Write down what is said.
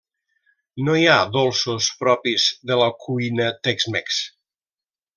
No hi ha dolços propis de la cuina tex-mex.